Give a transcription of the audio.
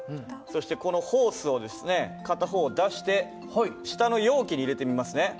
そしてこのホースをですね片方出して下の容器に入れてみますね。